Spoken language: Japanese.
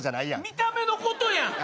見た目のことやん。